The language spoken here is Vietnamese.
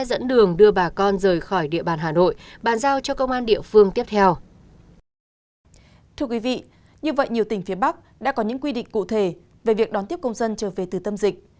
thưa quý vị như vậy nhiều tỉnh phía bắc đã có những quy định cụ thể về việc đón tiếp công dân trở về từ tâm dịch